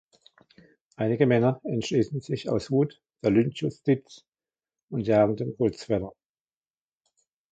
Einige Männer entschließen sich aus Wut zur Lynchjustiz und jagen den Holzfäller.